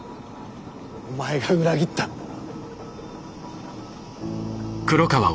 お前が裏切ったんだろ。